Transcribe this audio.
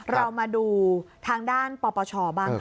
เรามาดูทางด้านปปชบ้าง